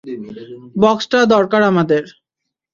বক্সটা দরকার আমাদের!